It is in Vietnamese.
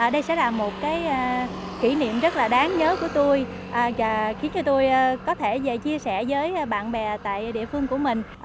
đây sẽ là một kỷ niệm rất là đáng nhớ của tôi và khiến cho tôi có thể chia sẻ với bạn bè tại địa phương của mình